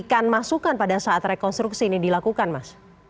memberikan masukan pada saat rekonstruksi ini dilakukan mas